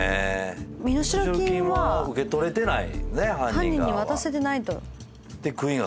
犯人に渡せてないと。